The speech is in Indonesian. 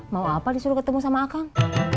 mau apa disuruh ketemu sama akang